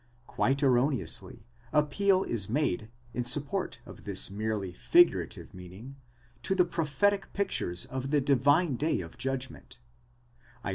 ® Quite erroneously, appeal is made, in support of this merely figurative meaning, to the prophetic pictures of the divine day of judgment, Isa.